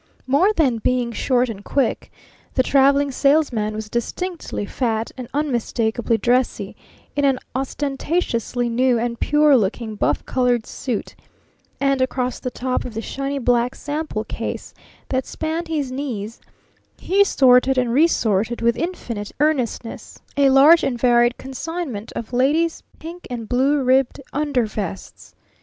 More than being short and quick, the Traveling Salesman was distinctly fat and unmistakably dressy in an ostentatiously new and pure looking buff colored suit, and across the top of the shiny black sample case that spanned his knees he sorted and re sorted with infinite earnestness a large and varied consignment of "Ladies' Pink and Blue Ribbed Undervests."